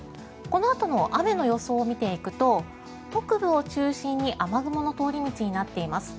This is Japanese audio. このあとの雨の予想を見ていくと北部を中心に雨雲の通り道になっています。